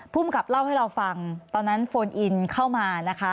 ภูมิกับเล่าให้เราฟังตอนนั้นโฟนอินเข้ามานะคะ